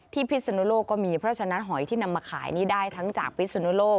พิศนุโลกก็มีเพราะฉะนั้นหอยที่นำมาขายนี่ได้ทั้งจากพิสุนุโลก